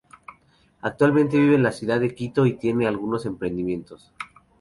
Actualmente vive en la ciudad de Quito y tiene algunos emprendimientos.